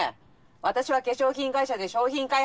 私は化粧品会社で商品開発。